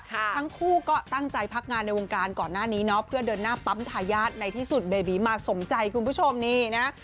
ทั้งคู่ก็ตั้งใจพักงานในวงการก่อนหน้านี้เนาะเพื่อเดินหน้าปั๊มทายาทในที่สุดเบบีมาสมใจคุณผู้ชมนี่นะ